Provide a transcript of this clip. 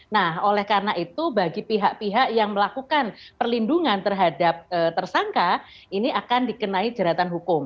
nah oleh karena itu bagi pihak pihak yang melakukan perlindungan terhadap tersangka ini akan dikenai jeratan hukum